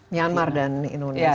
myanmar dan indonesia